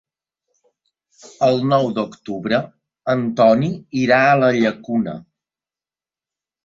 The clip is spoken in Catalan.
El nou d'octubre en Ton irà a la Llacuna.